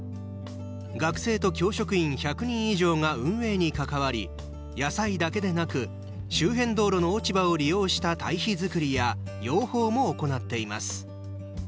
学生と教職員１００人以上が運営に関わり野菜だけでなく周辺道路の落ち葉を利用した堆肥作りや養蜂も行っています。